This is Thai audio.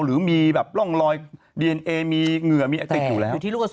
หรือมีหล่องลอยดีเอนเอมีเหงื่ออยู่แล้ว